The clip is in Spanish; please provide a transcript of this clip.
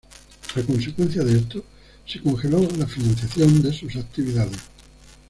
A consecuencia de esto, se congeló la financiación de sus actividades.